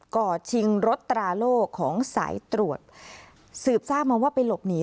่อชิงรถตราโล่ของสายตรวจสืบทราบมาว่าไปหลบหนี